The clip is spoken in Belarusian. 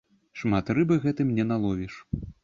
Шмат рыбы гэтым не наловіш.